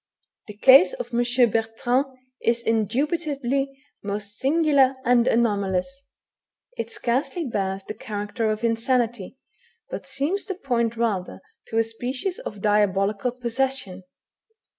The case of M. Bertrand is indubitably most singular and anomalous; it scarcely bears the character of insanity, but seems to point rather to a species of diabolical possession.